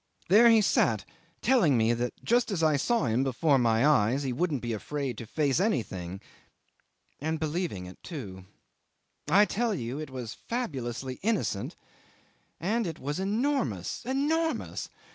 There he sat telling me that just as I saw him before my eyes he wouldn't be afraid to face anything and believing in it too. I tell you it was fabulously innocent and it was enormous, enormous!